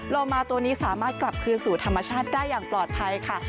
โลมาตัวนี้สามารถกลับคืนสู่ธรรมชาติได้อย่างปลอดภัยค่ะ